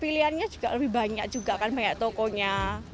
pilihannya juga lebih banyak juga kan banyak tokonya